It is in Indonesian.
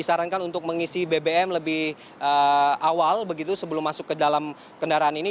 disarankan untuk mengisi bbm lebih awal begitu sebelum masuk ke dalam kendaraan ini